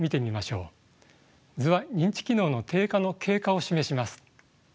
図は認知機能の低下の経過を示します。